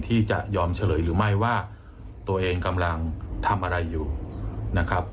ที่จะยอมเฉลยหรือไม่ว่าตัวเองกำลังทำอะไรอยู่นะครับ